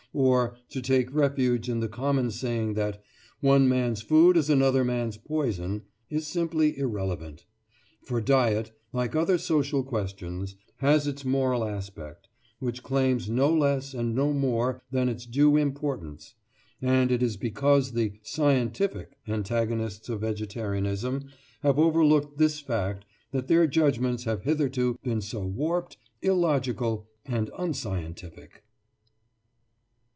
or to take refuge in the common saying that "one man's food is another man's poison," is simply irrelevant. For diet, like other social questions, has its moral aspect, which claims no less and no more than its due importance; and it is because the "scientific" antagonists of vegetarianism have overlooked this fact that their judgments have hitherto been so warped, illogical, and unscientific.